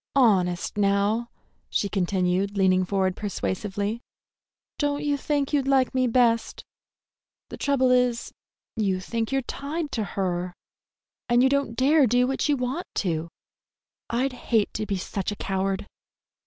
Honest, now," she continued, leaning forward persuasively, "don't you think you'd like me best? The trouble is, you think you're tied to her, and you don't dare do what you want to. I'd hate to be such a coward!"